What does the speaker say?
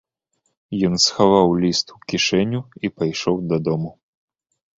Ён схаваў ліст у кішэню і пайшоў дадому.